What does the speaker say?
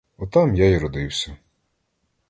Отам я й родився.